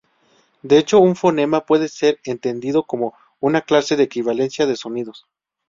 De hecho un fonema puede ser entendido como una clase de equivalencia de sonidos.